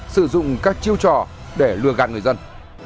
sử dụng các chiêu trò để lừa gạt người dân